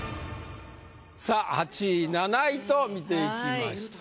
さぁ８位７位と見ていきました。